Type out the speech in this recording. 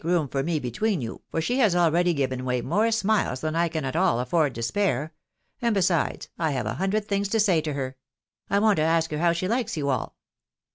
room for me between you, for she has already given away more smiles than I can at all afford to spare ; and, besides, I bare a hundred things to say to her. ... I want to ask her how aha likes you all."